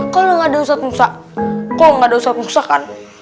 kalau gak ada ustaz musa